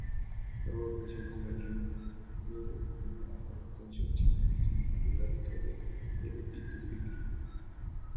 Luego apareció como June Cleaver en una adaptación cinematográfica de "Leave it to Beaver".